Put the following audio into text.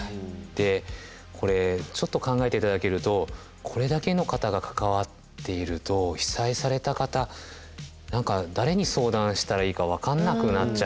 でこれちょっと考えて頂けるとこれだけの方が関わっていると被災された方誰に相談したらいいか分かんなくなっちゃいますよね。